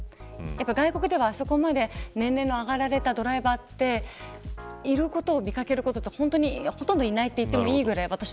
外国ではあそこまで年齢の上がられたドライバーっていることを見掛けるのはほとんどいないといってもいいくらい。